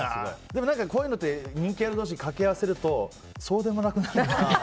でも、こういうのって人気ある同士かけ合わせるとそうでもなくなる。